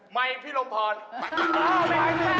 ไมค์พิโรมพร